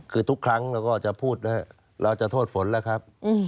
คือทุกครั้งเราก็จะพูดเราจะโทษฝนแล้วครับ